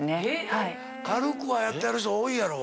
軽くはやってはる人多いやろ。